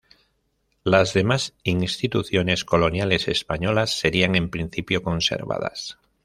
Las demás instituciones coloniales españolas serían en principio conservadas.